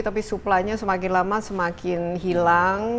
tapi suplanya semakin lama semakin hilang